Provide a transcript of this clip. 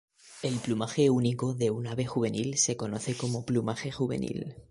El plumaje único de un ave juvenil se conoce como plumaje juvenil.